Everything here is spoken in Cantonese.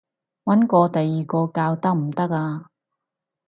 搵過第二個教得唔得啊？